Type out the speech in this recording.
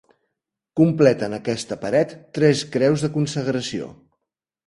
Completen aquesta paret tres creus de consagració.